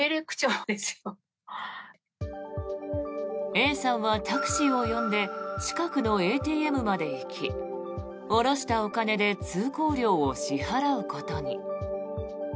Ａさんはタクシーを呼んで近くのＡＴＭまで行き下ろしたお金で通行料を支払うことに。